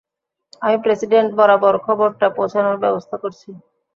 আমি প্রেসিডেন্ট বরাবর খবরটা পৌঁছানোর ব্যবস্থা করছি।